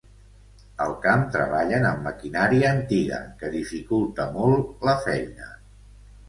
Al camp treballen amb maquinària antiga que dificulta molt la feina.